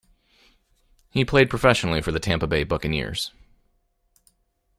He played professionally for the Tampa Bay Buccaneers.